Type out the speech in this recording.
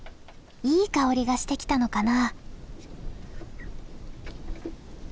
いい香りがしてきたのかな？